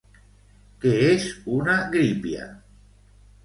Què és una grípia?